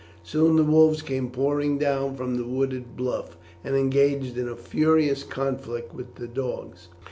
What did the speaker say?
Soon the wolves came pouring down from the wooded bluff, and engaged in a furious conflict with the dogs.